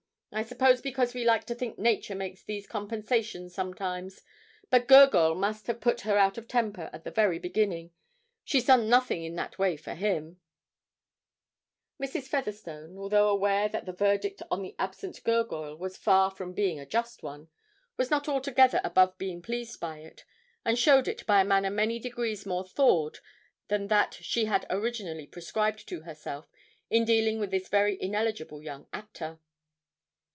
I suppose because we like to think Nature makes these compensations sometimes, but Gurgoyle must have put her out of temper at the very beginning. She's done nothing in that way for him.' Mrs. Featherstone, although aware that the verdict on the absent Gurgoyle was far from being a just one, was not altogether above being pleased by it, and showed it by a manner many degrees more thawed than that she had originally prescribed to herself in dealing with this very ineligible young actor.